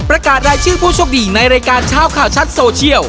ประกาศรายชื่อผู้โชคดีในรายการเช้าข่าวชัดโซเชียล